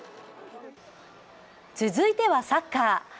続いてはサッカー。